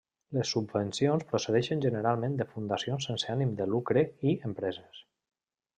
Les subvencions procedeixen generalment de fundacions sense ànim de lucre i empreses.